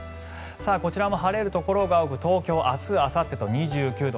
こちらも晴れるところが多く東京、明日、あさってと２９度。